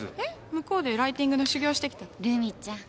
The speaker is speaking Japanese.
向こうでライティングの修業してきたって。